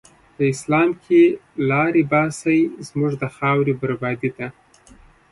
په اسلام کی لاری باسی، زموږ د خاوری بربادی ته